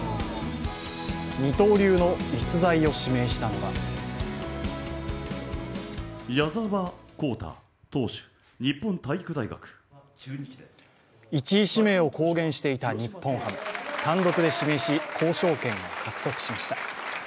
二刀流の逸材を指名したのは１位指名を公言していた日本ハム、単独で指名し、交渉権を獲得しました。